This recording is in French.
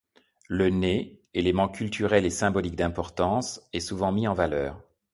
Le nez, élément culturel et symbolique d'importance, est souvent mis en valeur.